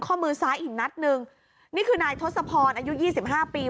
ข้อมือซ้ายอีกนัดนึงนี่คือนายทศพรอายุ๒๕ปี